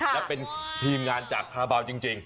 และเป็นทีมงานจากคาราบาลจริง